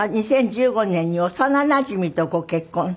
２０１５年に幼なじみとご結婚。